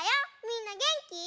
みんなげんき？